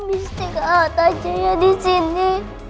om istrikan aja ya disini